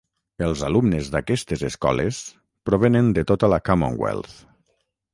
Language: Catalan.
Els alumnes d'aquestes escoles provenen de tota la Commonwealth.